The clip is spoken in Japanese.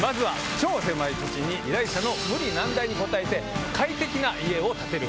超狭い土地に依頼者の無理難題に応えて快適な家を建てる。